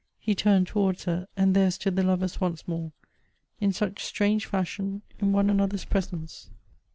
He turned towards her; and there stood the lovers once more, in such strange fashion, in one another's presence.